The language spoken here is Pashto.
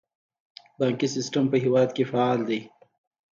بانکي سیستم په هیواد کې فعال دی